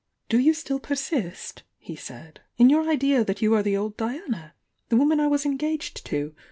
., "Do you still persist," he said, "in your idea toat you are die old Diana?— the woman I was engaged to?